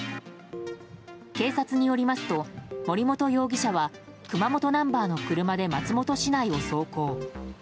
警察によりますと森本容疑者は熊本ナンバーの車で松本市内を走行。